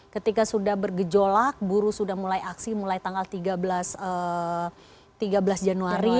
ketika sudah bergejolak buruh sudah mulai aksi mulai tanggal tiga belas januari